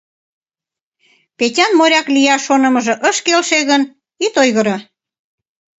— Петян моряк лияш шонымыжо ыш келше гын, ит ойгыро.